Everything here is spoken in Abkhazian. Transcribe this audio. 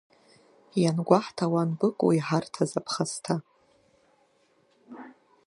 Иангәаҳҭауа анбыкәу иҳарҭаз аԥхасҭа?!